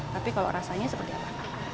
tapi kalau rasanya seperti apa